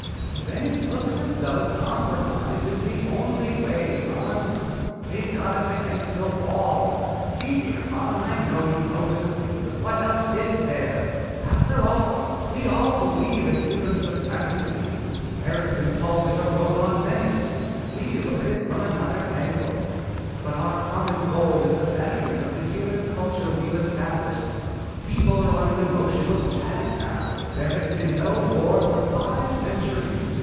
"Then it looks as though compromise is the only way, Han. They've got us up against the wall. See here, Han, I know you don't agree, but what else is there? After all, we all believe in human supremacy. Erikson calls it a robot menace, we look at it from another angle, but our common goal is the betterment of the human culture we've established. People are on an emotional jag now. There has been no war for five centuries.